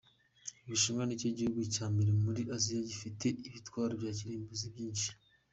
U Bushinwa nicyo gihugu cya mbere muri Aziya gifite ibitwaro bya kirimbuzi byinshi.